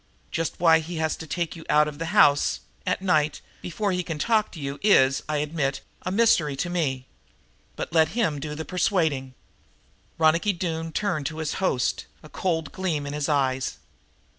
Just why he has to take you out of the house, at night, before he can talk to you is, I admit, a mystery to me. But let him do the persuading." Ronicky Doone turned to his host, a cold gleam in his eyes.